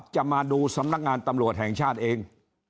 จะมาดูสำนักงานตำรวจแห่งชาติเอง